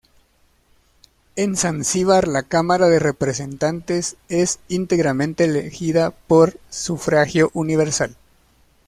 En Zanzibar la Cámara de Representantes es íntegramente elegida por sufragio universal.